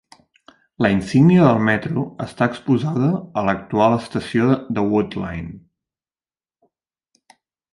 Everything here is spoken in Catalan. La insígnia del metro està exposada a l'actual estació de Wood Lane.